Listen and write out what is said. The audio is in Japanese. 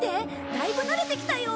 だいぶ慣れてきたよ。